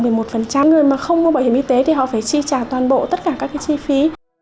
vì một người mà không có bảo hiểm y tế thì họ phải chi trả toàn bộ tất cả các cái chi phí